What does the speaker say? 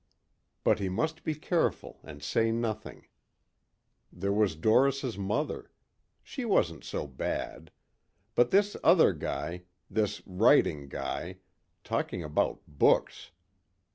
But he must be careful and say nothing. There was Doris' mother. She wasn't so bad. But this other guy, this writing guy, talking about books!